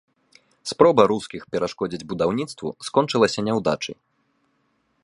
Спроба рускіх перашкодзіць будаўніцтву скончылася няўдачай.